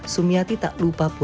sumiati tak lupa pula